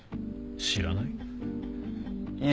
知らない？